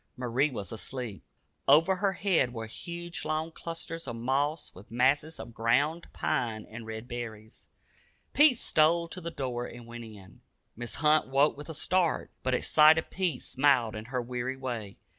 Marie was asleep. Over her head were hung long clusters of moss, with masses of ground pine and red berries. Pete stole to the door and went in. Mrs. Hunt woke with a start, but at sight of Pete smiled in her weary way.